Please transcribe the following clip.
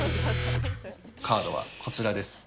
カードはこちらです。